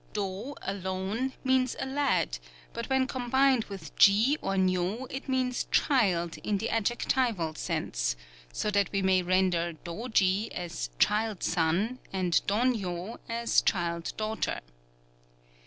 Dō, alone, means a lad, but when combined with ji or nyo it means "child" in the adjectival sense; so that we may render Dōji as "Child son," and Dōnyo as "Child daughter."